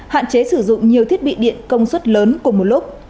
hạn chế sử dụng nhiều thiết bị điện công suất lớn cùng một lúc